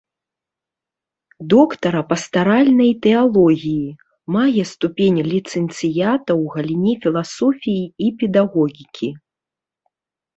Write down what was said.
Доктара пастаральнай тэалогіі, мае ступень ліцэнцыята ў галіне філасофіі і педагогікі.